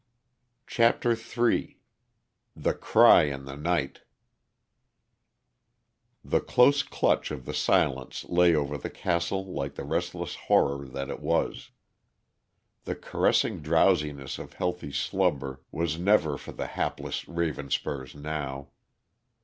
CHAPTER III THE CRY IN THE NIGHT The close clutch of the silence lay over the castle like the restless horror that it was. The caressing drowsiness of healthy slumber was never for the hapless Ravenspurs now.